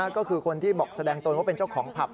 ก็คือคนที่บอกแสดงตนว่าเป็นเจ้าของผับ